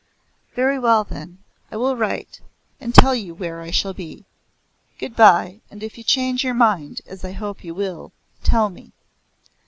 "Very well then I will write, and tell you where I shall be. Good bye, and if you change your mind, as I hope you will, tell me."